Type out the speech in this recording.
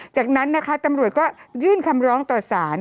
จากนั้นนะคะตำรวจก็ยื่นคำร้องต่อสาร